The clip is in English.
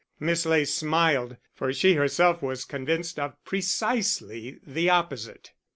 Miss Ley smiled, for she was herself convinced of precisely the opposite.